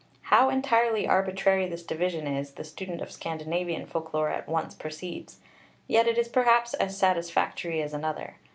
How entirely arbitrary this division is, the student of Scandinavian folk lore at once perceives. Yet it is perhaps as satisfactory as another.